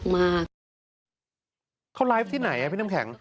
มาเขาไลฟ์ที่ไหนพี่น้ำแข็ง